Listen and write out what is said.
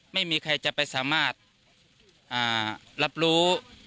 ไม่มีใครจะไปสามารถรับรู้